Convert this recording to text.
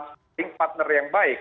dan mencari partner yang baik